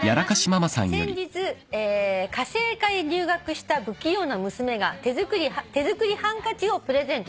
「先日家政科へ入学した不器用な娘が手作りハンカチをプレゼントしてくれました」